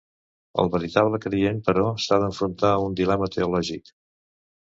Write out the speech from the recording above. El veritable creient, però, s'ha d'enfrontar a un dilema teològic.